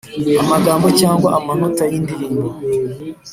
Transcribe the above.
Amagambo cyangwa amanota y indirimbo